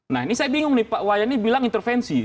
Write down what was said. nah ini saya bingung nih pak wayani bilang intervensi